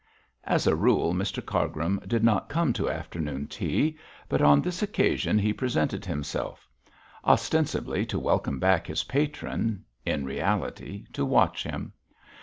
As a rule, Mr Cargrim did not come to afternoon tea, but on this occasion he presented himself; ostensibly to welcome back his patron, in reality to watch him.